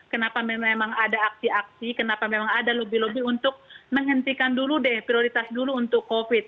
kenapa memang ada aksi aksi kenapa memang ada lobby lobby untuk menghentikan dulu deh prioritas dulu untuk covid